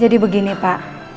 jadi begini pak